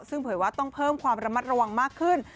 ซึ่งเผยว่าต้องเพิ่มความระมัดระวังมากขึ้น